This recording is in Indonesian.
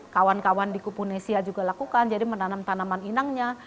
kawan kawan di kupunesia juga lakukan jadi menanam tanaman inangnya